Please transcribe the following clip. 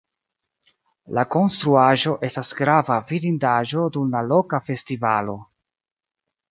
La konstruaĵo estas grava vidindaĵo dum la loka festivalo.